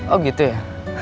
oh gitu ya